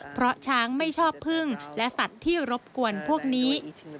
เพราะช้างไม่ชอบพึ่งและสัตว์ที่รบกวนพวกนี้